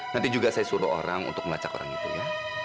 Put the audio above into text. nanti juga saya suruh orang untuk melacak orang itu ya